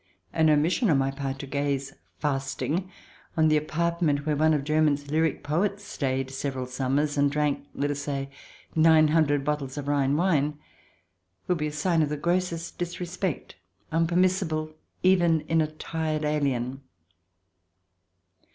An omission on my part to gaze, fasting, on the apartment where one of Germany's lyric poets stayed several summers, and drank, let us say, nine hundred bottles of Rhine wine, would be a sign of the grossest disrespect, unpermissible even in a tired alien.